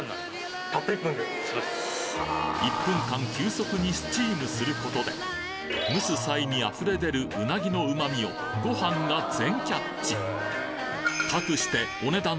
１分間急速にスチームすることで蒸す際に溢れ出るうなぎの旨味をご飯が全キャッチかくしてお値段